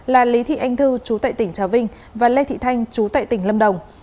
là lý thị anh thư chú tại tỉnh trà vinh và lê thị thanh chú tại tỉnh lâm đồng